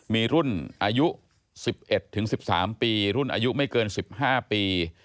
มีรุ่นอายุ๑๑๑๑๓ปีรุ่นอายุไม่เกิน๑๕ปี